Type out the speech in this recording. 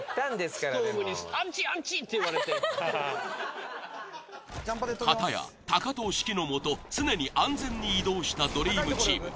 かたや藤指揮のもと常に安全に移動したドリームチーム。